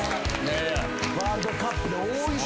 ワールドカップで大忙し。